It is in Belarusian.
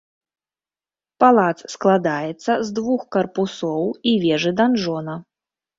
Палац складаецца з двух карпусоў і вежы-данжона.